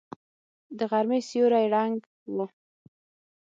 د غرمې سیوری ړنګ و.